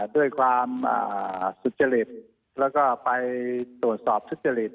ด้วยความสุจริตแล้วก็ไปตรวจสอบทุจริต